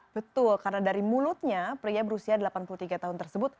betul karena dari mulutnya pria berusia delapan puluh tiga tahun tersebut